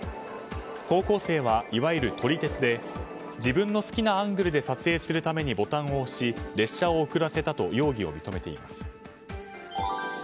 高校生はいわゆる撮り鉄で自分の好きなアングルで撮影するためにボタンを押し列車を遅らせたと容疑を認めています。